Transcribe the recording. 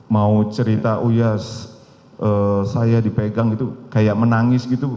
mau cerita oh ya saya dipegang gitu kayak menangis gitu